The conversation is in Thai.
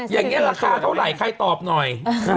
แนนนี่ลาคาเท่าไหร่ใครตอบหน่อย